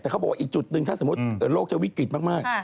แต่เขาบอกว่าอีกจุดหนึ่งถ้าสมมุติโลกจะวิกฤตมาก